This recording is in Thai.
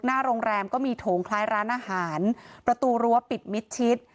หน้าโรงแรมก็มีโถงคล้ายร้านอาหารประตูรั้วปิดมิดชิด